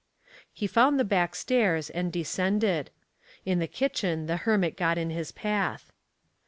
He found the back stairs, and descended. In the kitchen the hermit got in his path.